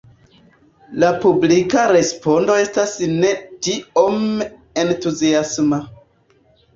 La publika respondo estas ne tiom entuziasma.